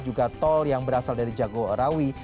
juga tol yang berasal dari jago rawi